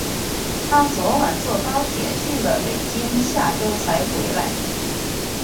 她昨晚坐高铁去了北京，下周才回来。